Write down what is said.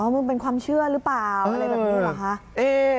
มันเป็นความเชื่อหรือเปล่าอะไรแบบนี้เหรอคะ